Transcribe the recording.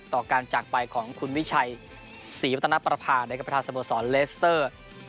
ต่อการจักรไปของคุณวิชัยสีวัตนปรพาห์ในครับพระท่าสมสรรเรสเตอร์